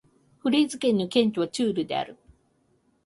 コレーズ県の県都はチュールである